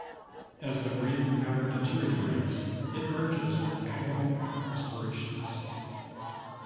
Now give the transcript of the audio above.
As the breathing pattern deteriorates, it merges with agonal respirations.